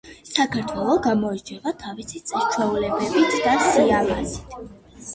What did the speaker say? საქართელო გამოირჩევა თავისი წესჩვეულებებით და სიამაზით